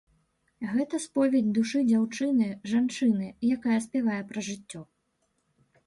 Гэта споведзь душы дзяўчыны, жанчыны, якая спявае пра жыццё.